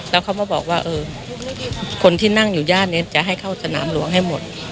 แล้วเขามาบอกว่าเออคนที่นั่งอยู่ย่านนี้จะให้เข้าสนามหลวงให้หมด